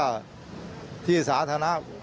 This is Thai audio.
เยี่ยมมากครับ